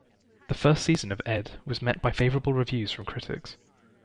The first season of "Ed" was met by favorable reviews from critics.